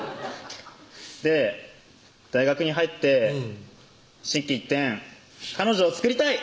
で大学に入って心機一転彼女を作りたい！